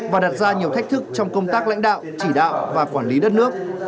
và đặt ra nhiều thách thức trong công tác lãnh đạo chỉ đạo và quản lý đất nước